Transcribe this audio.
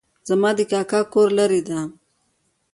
زما د کاکا کور لرې ده